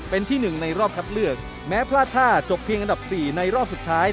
เป็นที่หนึ่งในรอบคัดเลือกแม้พลาดท่าจบเพียงอันดับ๔ในรอบสุดท้าย